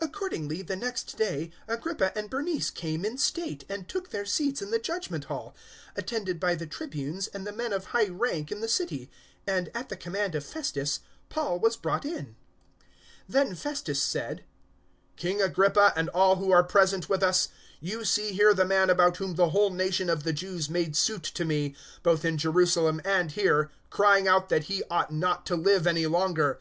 Accordingly, the next day, Agrippa and Bernice came in state 025:023 and took their seats in the Judgement Hall, attended by the Tribunes and the men of high rank in the city; and, at the command of Festus, Paul was brought in. 025:024 Then Festus said, "King Agrippa and all who are present with us, you see here the man about whom the whole nation of the Jews made suit to me, both in Jerusalem and here, crying out that he ought not to live any longer.